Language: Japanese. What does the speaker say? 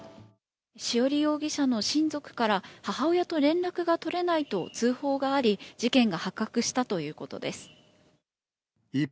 潮理容疑者の親族から、母親と連絡が取れないと通報があり、事件が発覚したということです。